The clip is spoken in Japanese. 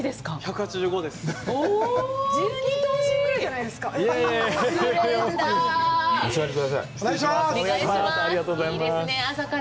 １２頭身ぐらいじゃないですか。